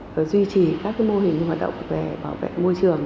rồi duy trì các mô hình hoạt động về bảo vệ môi trường